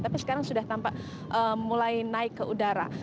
tapi sekarang sudah tampak mulai naik ke udara